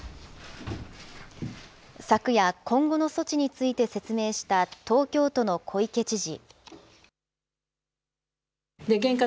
昨夜、今後の措置について説明した東京都の小池知事。